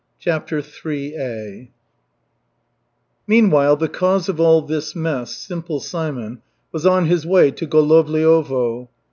CHAPTER III Meanwhile, the cause of all this mess, Simple Simon, was on his way to Golovliovo.